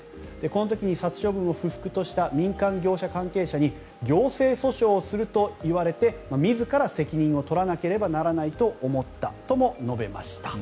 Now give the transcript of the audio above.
この時に殺処分を不服とした民間業者関係者に行政訴訟をするといわれて自ら責任を取らなければならないと思ったとも述べました。